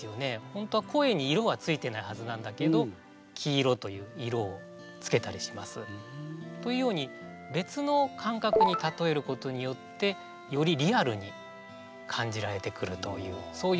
ホントは声に色は付いてないはずなんだけど黄色という色を付けたりします。というように別の感覚に例えることによってよりリアルに感じられてくるというそういうレトリックを使ってみました。